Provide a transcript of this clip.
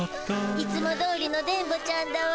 いつもどおりの電ボちゃんだわ。